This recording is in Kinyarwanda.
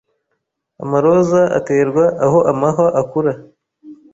Amaroza aterwa aho amahwa akura